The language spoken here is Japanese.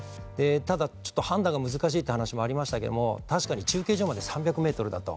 ただちょっと判断が難しいって話もありましたけども確かに中継所まで３００ｍだと。